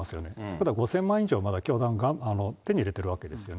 ただ５０００万円以上教団、手に入れてるわけですよね。